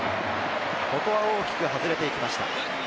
ここは大きく外れていきました。